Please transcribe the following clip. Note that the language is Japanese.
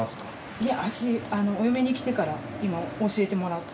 いやお嫁に来てから今教えてもらって。